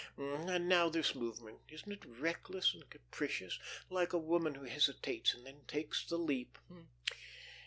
... And now this movement; isn't it reckless and capricious, like a woman who hesitates and then takes the leap?